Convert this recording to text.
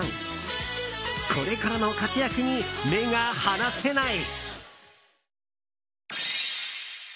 これからの活躍に目が離せない。